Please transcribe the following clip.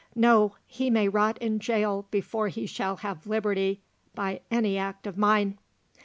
No; he may rot in jail before he shall have liberty by any act of mine."